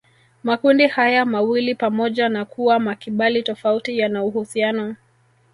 Makundi haya mawili pamoja na kuwa makibali tofauti yana uhusiano